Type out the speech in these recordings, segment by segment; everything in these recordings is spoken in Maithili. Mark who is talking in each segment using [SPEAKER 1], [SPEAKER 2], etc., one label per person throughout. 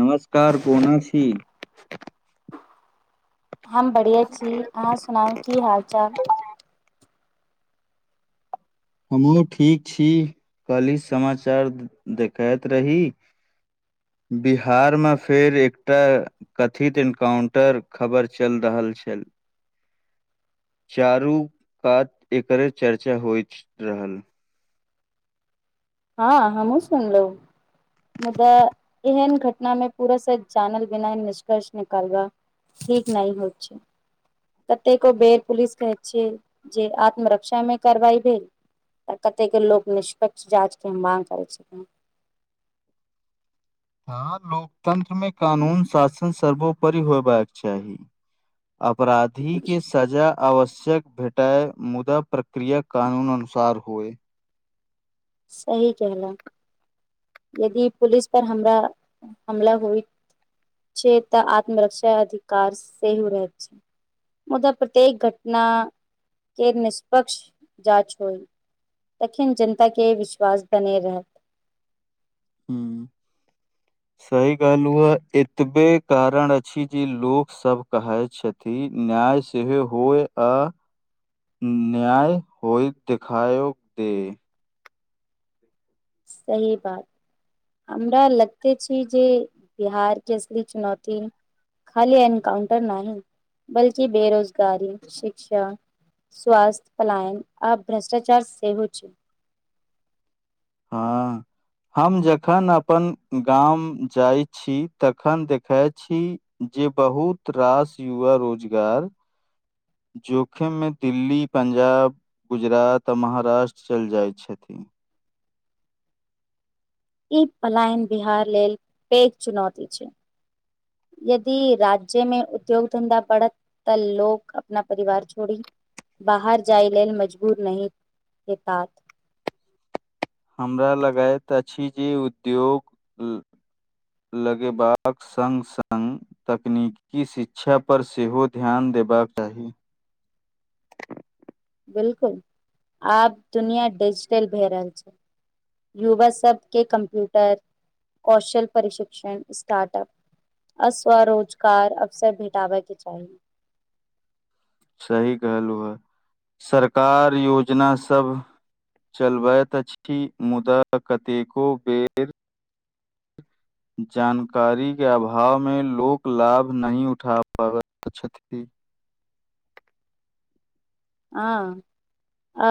[SPEAKER 1] नमस्कार कोना छी
[SPEAKER 2] हम बढ़िया छी अहाँ सुनाउ की हाल चाल
[SPEAKER 1] हमहुूँ ठीक छी काल्हि समाचार देखैत रही बिहार मे फेर एकटा कथित एन्नकाउंटर खबर चैल रहल छल
[SPEAKER 2] [inaudible]
[SPEAKER 1] चारू कात एकरे चर्चा होइत रहल
[SPEAKER 2] हँ हमूँ सुनलो मुद्दा एहन घटना मे पूरा सच जानल बिना निष्कर्ष निकालबा ठीक नहि होइ छै कतेको बेर पुलिस कहैत छियै जे आत्मरक्षा मे कारवाई भेल आ कतेके लोक निष्पक्ष जाँचके माग करैत छथिन
[SPEAKER 1] हँ लोकतंत्र मे कानून शासन सर्वोपरि होय बाक चाही अपराधी के सजा आवश्यक भेटाए मुदा प्रक्रिया कानून अनुसार होए
[SPEAKER 2] सही केहलो यदि पुलिस पर हमरा हमला होइ छै तऽ आत्मरक्षा अधिकार सेहो रहत छै मुद्दा प्रत्येक घटना के निष्पक्ष जाँच होई तखन जनता के विश्वास बने रहल
[SPEAKER 1] हूँ
[SPEAKER 2] [inaudible]
[SPEAKER 1] सही कहलू ह एतबे कारण अछि जे लोक सभ कहै छथि कि न्याय सेहो होय अ न्याय होइ देखाय दे
[SPEAKER 2] सही बात हमरा लगतै छै जे बिहार के असली चुनौती खाली एनकाउंटर नाहि बल्कि बेरोजगारी शिक्षा स्वास्थ्य पलायन आ भ्रष्टाचार सेहो छै
[SPEAKER 1] हँ हम जखन अपन गाँव जाय छी तखन देखै छी जे बहुत रास युवा रोजगार जोखिम मे दिल्ली पंजाब गुजरात आ महाराष्ट्र चलि जाइत छथिन
[SPEAKER 2] ई पलायन बिहार लेल पेघ चुनौती छै यदि राज्य मे उद्योग धंधा बढ़त तऽ लोक अपना परिवार छोड़ी बाहर जाइ लेल मजबूर नहि हेताथ
[SPEAKER 1] हमरा लगति अछि जे उद्योग लगेबाक संग संग तकनीकी शिक्षा पर सेहो ध्यान देबाक चाही
[SPEAKER 2] [inaudible] बिलकुल आब दुनिया डिजिटल भए रहल छै युवा सबके कम्प्यूटर कौशल प्रशिक्षण स्टार्टअप आ स्व रोजगार अवसर भेटाबे के चाही
[SPEAKER 1] सही कहलू ह सरकार योजना सब चलबति अछि मुदा कतेको बेर जानकारी के अभाव मे लोक लाभ नहि उठा पाबति छथि
[SPEAKER 2] हं आ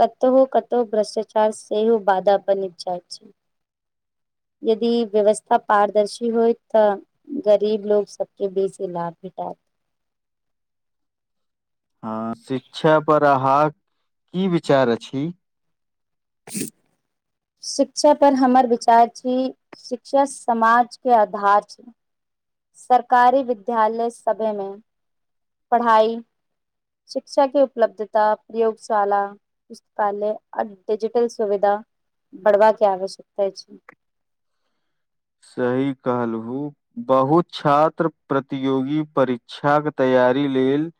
[SPEAKER 2] कतहु कतहु भ्रष्टाचार सेहो बाधा पर नच जाइ छै यदि व्यवस्था पारदर्शी होय तऽ गरीब लोक सबके बेसी लाभ भेटा
[SPEAKER 1] ह शिक्षा पर अहाँ की विचार अछि
[SPEAKER 2] ह शिक्षापर हमर विचार छी शिक्षा समाज के आधार छै सरकारी विद्यालय सभ मे पढ़ाई शिक्षा के उपलब्धता प्रयोगशाला पुस्तकालय आ डिजिटल सुविधा बढ़वा के आवश्यकता छी
[SPEAKER 1] सही कहलहु बहुत छात्र प्रतियोगी परीक्षाक तैयारी लेल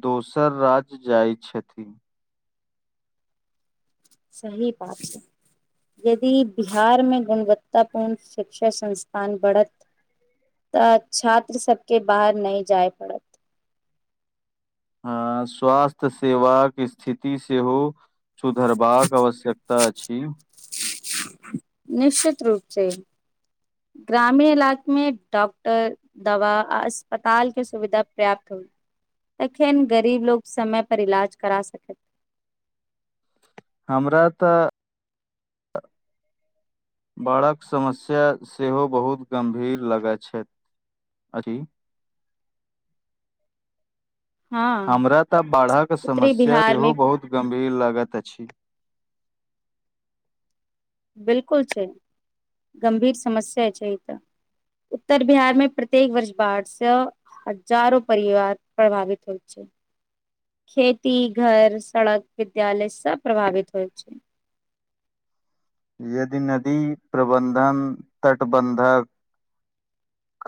[SPEAKER 1] दोसर राज जाइ छथिन
[SPEAKER 2] सही बात छै यदि बिहार मे गुणवत्ता पूर्ण शिक्षा संस्थान बढ़त तऽ छात्र सब के बाहर नय जाय पड़त
[SPEAKER 1] हँ स्वास्थ्य सेवाक स्थिति सेहो सुधरबाक आवश्यकता अछि
[SPEAKER 2] निश्चित रूप से ग्रामीण इलाक मे डॉक्टर दवा आ अस्पताल के सुविधा पर्याप्त होइ। एखेन गरीब लोक समय पर इलाज करा सकै।
[SPEAKER 1] हमरा तऽ बाढ़क समस्या सेहो बहुत गम्भीर लगै छथि अकी
[SPEAKER 2] हँ
[SPEAKER 1] हमरा तऽ बाढ़क
[SPEAKER 2] उत्तरी
[SPEAKER 1] समस्या
[SPEAKER 2] बिहार
[SPEAKER 1] सेहो
[SPEAKER 2] मे
[SPEAKER 1] बहुत गम्भीर लागैत अछि
[SPEAKER 2] बिल्कुल छै गंभीर समस्य छै ई तऽ उत्तर बिहार मे प्रत्येक वर्ष बाढ़सँ हजारो परिवार प्रभावित होइत छै खेती घर सड़क विद्यालय सब प्रभावित होइत छै
[SPEAKER 1] यदि नदी प्रबन्धन तटबन्धक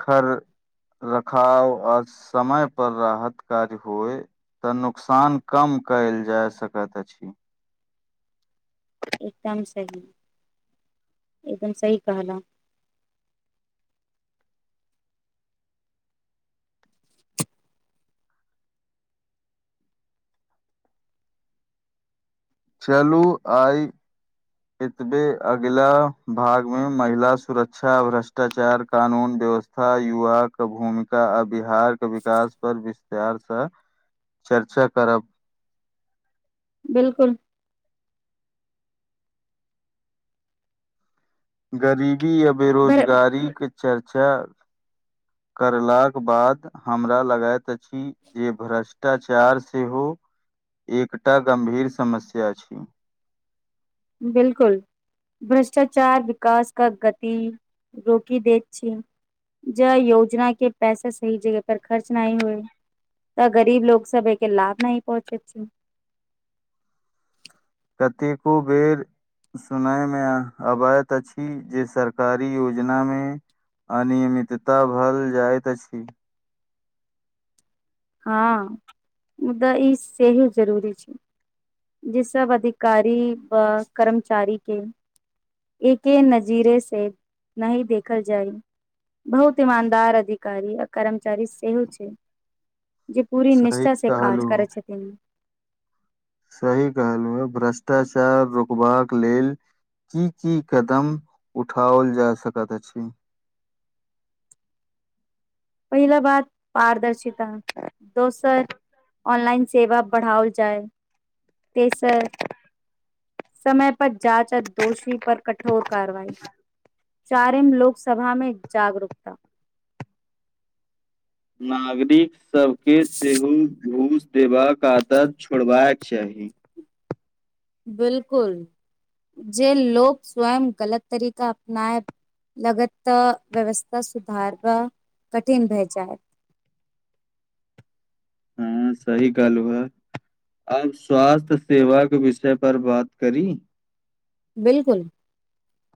[SPEAKER 1] खर रखावाव आओर समय पर राहत कार्य होए तऽ नुकसान कम कयल जाय सकैत अछि
[SPEAKER 2] एकदम सही एकदम सही कहलौं
[SPEAKER 1] चलू आइ इतबे अगिला भाग मे महिला सुरक्षा भ्रष्टाचार कानून व्यवस् था युवा के भूमिका आ बिहारके विकास पर विस्तारसँ चर्चा करब
[SPEAKER 2] बिल्कुल
[SPEAKER 1] गरीबी या
[SPEAKER 2] भर
[SPEAKER 1] बेरोजगारीक चर्चा करलाक बाद हमरा लगैत छी जे भ्ररस शिटाचार सेहो एकटा गम्भीर समस्या अछि
[SPEAKER 2] बिल्कुल भ्रष्टाचार विकास का गति रोकि दैत छीयै ज योजना के पैसा सही जगह पर खर्च नाहि होए तऽ गरीब लोक सब एहिके लाभ नही पहुँचेत छै
[SPEAKER 1] कतेको बेर सुनाय मे अवायत अछि जे सरकारी योजना मे अनियमितता भल जाइत अछि
[SPEAKER 2] हँ मुदा ई सेहो जरूरी छै जे सब अधिकारी ब कर्मचारी के एके नजीरे से नाही देखल जाइ बहुत ईमानदार अधिकारी आ कर्मचारी सेहो छै जे पूरी
[SPEAKER 1] सही
[SPEAKER 2] निशठा से काज
[SPEAKER 1] कहलू
[SPEAKER 2] करै छथिन
[SPEAKER 1] सही कहलौ हँ भ्रष्टाचार रोकबाक लेल की की कदम उठाओल जा सकैत अछि
[SPEAKER 2] पहिले बात पारदर्शता दोसर ऑनलाइन सेवा बढ़ाओल जाय तेसर समय पर जाचा दोषी पर कठोर कार्रवाई चारीम लोकसभामे जागरूकता
[SPEAKER 1] नागरिक सबके सेहो घूस देबा क आदत छोड़बाक चाही
[SPEAKER 2] बिल्कुल जे लोक स्वयं गलत तरीका अपनाएऐप लागत तऽ व्यवस्था सुधारबऽ कठिन भए जाय।
[SPEAKER 1] हँ सही कहलु हा। आब स्वास्थ्य सेवाट विषय पर बात करी
[SPEAKER 2] बिलकुल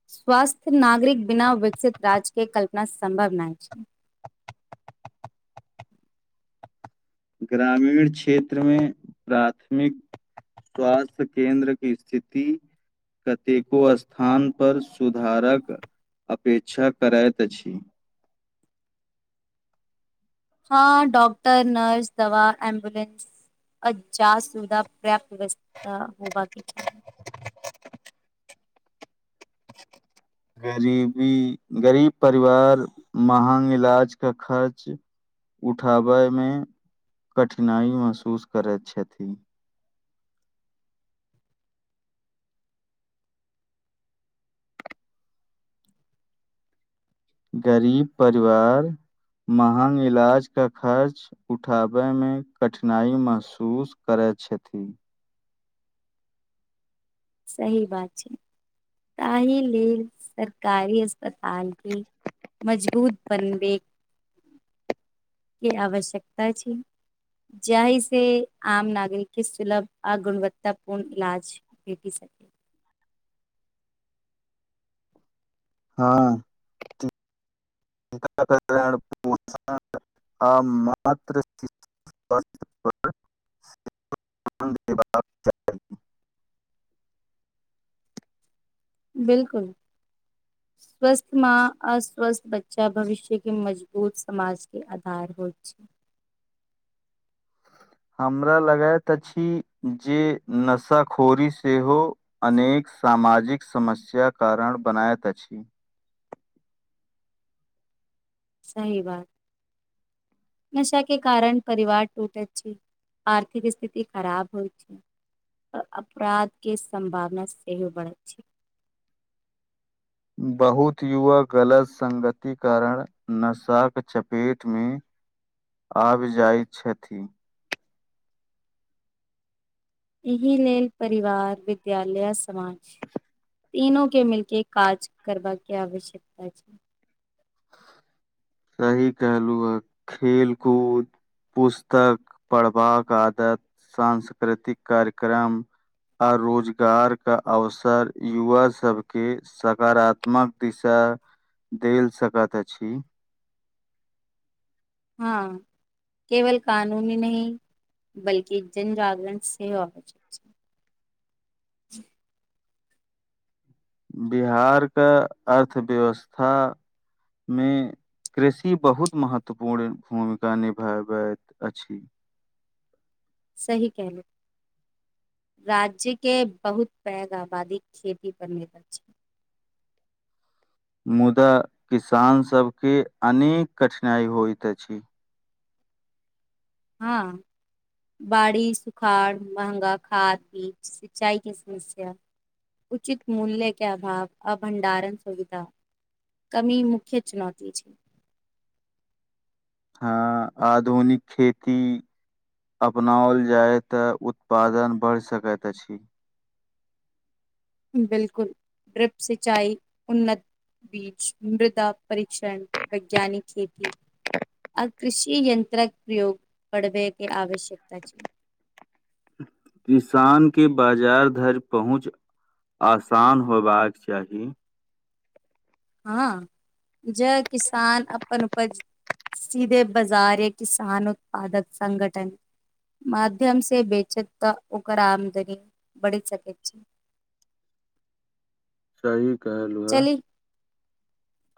[SPEAKER 2] स्वास्थ्य नागरिक बिना विकसित राज्यके कल्पना सम्भव नाय छै
[SPEAKER 1] ग्रामीण क्षेत्रमे प्राथमिक स्वास्थ्य केंन्द्र क स्थिति कतेको स्थानपर सुधारक अपेक्षा करैत अछि
[SPEAKER 2] हँ डाक्टर नर्स दवा एम्बुलन्स [unintelligible] व्यवस्था होबाके चाही।
[SPEAKER 1] गरीबी गरीब परिवार महग इलाज क खर्च उठाबै मे कठिनाई महसूस करै छथिन। गरीब परिवार महग इलाज का खर्च उठाबय मे कठिनाइ महसूस करै‌ छथि।
[SPEAKER 2] सही बात छै त‌ अभी लेल सरकारी अस्पतालके मजबूत बनबै के आवश्यकता छै। जाहि से आम नागरिक के सुलभ आ गुणवत्ता पूर्ण इलाज भेटी सकू
[SPEAKER 1] हँ [unintelligible] आ मात्र [unintelligible] [unintelligible]
[SPEAKER 2] बिलकुल स्वस्थ माँ अ स्वस्थ बच्चा भविष्य के मजबूत समाज के आधार होत छै।
[SPEAKER 1] हमरा लगैत अछि जे नशाखोरी सेहो अनेक सामाजिक समस्य कारण बनायैत अछि।
[SPEAKER 2] सही बात नशा के कारण परिवार टूटै छै। आर्थिक स्थिति खराब होय छै। अपराध के सम्भावना सेहो बरहै छै।
[SPEAKER 1] बहुत युवा गलत संगति कारण नशाक के चपेट मे आबि जाइत छथि।
[SPEAKER 2] एहि लेल परिवार विद्यालय समाज तीनो के मिलके काज करबाका के आवश्यकता छै। [inaudible]
[SPEAKER 1] सही कहलू आ खेल कूद पुस्तक पढ़बाक आदत सांस्कृतिक कार्यक्रम आ रोजगार क अवसर युवा सब के सकारात्मक दिशा देल सकत अछि।
[SPEAKER 2] हँ केवल कानूनी नहि बल्कि जनजगरण सेहो आ
[SPEAKER 1] बिहारके अर्थव्यवस्था मे कृषि बहुत महत्वपूर्ण भूमिका निभाबैत अछि
[SPEAKER 2] सही केहलु राज्य के बहुत पैघ आबादी खेती पर निर्भर अछि
[SPEAKER 1] मुदा किसान सब के अनेक कठिनाई होइत अछि।
[SPEAKER 2] हँ बाड़ी सुखाड़ महंगा खाद बीज सिंचाई के समस्या उचित मूल्य के अभाव आ भंडारण सुविधा कमी मुख्य चुनौती छै।
[SPEAKER 1] हँ आधुनिक खेती अपनाओल जाय तऽ उत्पादन बढ़ि सकैत अछि।
[SPEAKER 2] बिल्कुल ड्रिप सिंचाई उन्नत बीज मृदा परीक्षण वैज्ञानिक खेती आ कृषि यन्त्रक प्रयोग बढबेके आवश्यकता छै। [inaudible]
[SPEAKER 1] किसान के बाजार धरि पहुँच आसान होएबाक चाही
[SPEAKER 2] हँ जय किसान अपन उपज सीधे बाजारे किसान उत्पादक संघठन माध्यम से बेचत तऽ ओकर आमदनी बढ़ि सकैत छै [inaudible]
[SPEAKER 1] सही कहलु ह
[SPEAKER 2] चली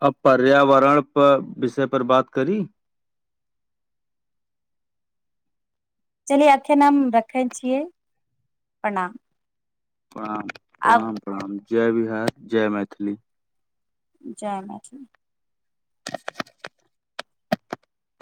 [SPEAKER 1] अब पर्यावरण पर विषय पर बात करी
[SPEAKER 2] चलिए अखेन हम रखे छियै प्रणाम
[SPEAKER 1] प्रणाम
[SPEAKER 2] आब
[SPEAKER 1] प्रणाम प्रणाम जय बिहार जय मैथिली
[SPEAKER 2] जय मैथिली